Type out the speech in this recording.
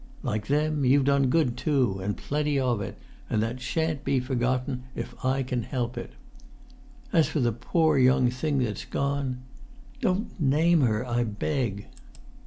Like them, you've done good, too, and plenty of it, and that sha'n't be forgotten if I can help it. As for the poor young thing that's gone——" "Don't name her, I beg!"